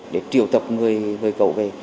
để triều tập người cậu về